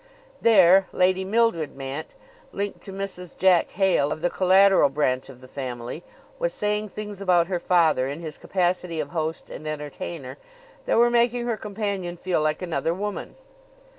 There, Lady Mildred Mant, linked to Mrs. Jack Hale, of the collateral branch of the family, was saying things about her father in his capacity of host and entertainer, that were making her companion feel like another woman.